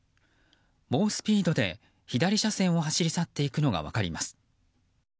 猛スピードで左車線を走っていくのが分かります。